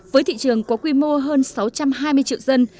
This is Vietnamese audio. với thị trường có quy mô hơn sáu trăm hai mươi triệu dân